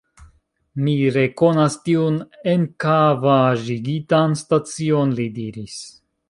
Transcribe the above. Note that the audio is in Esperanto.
Mi rekonas tiun enkavaĵigitan stacion, li diris.